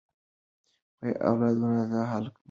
اولادونو ته حلال مال پریږدئ.